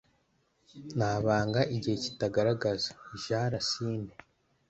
nta banga igihe kitagaragaza. - jean racine